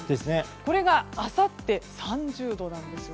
これがあさって３０度なんです。